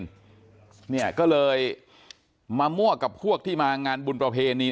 เนี่ยก็เลยมามั่วกับพวกที่มางานบุญประเพณี